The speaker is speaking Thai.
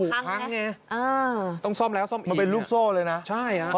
แล้วก็พังไงเออมันเป็นลูกโซ่เลยนะใช่ครับ